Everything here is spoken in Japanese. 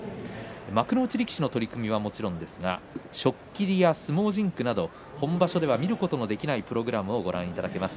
幕内力士の取組はもちろん初っ切りや相撲甚句など本場所では見ることのできないプログラムをご覧いただけます。